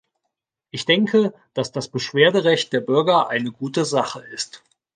Ich denke, dass das Beschwerderecht der Bürger eine gute Sache ist.